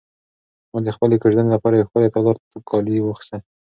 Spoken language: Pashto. ما د خپلې کوژدنې لپاره یو ښکلی د تالار کالي واخیستل.